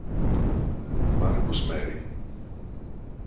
Marcus Marin